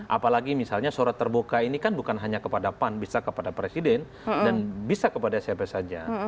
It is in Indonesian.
apalagi misalnya surat terbuka ini kan bukan hanya kepada pan bisa kepada presiden dan bisa kepada siapa saja